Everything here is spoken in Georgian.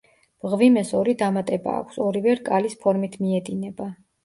მღვიმეს ორი დამატება აქვს, ორივე რკალის ფორმით მიედინება.